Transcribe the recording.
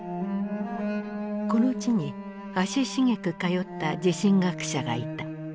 この地に足しげく通った地震学者がいた。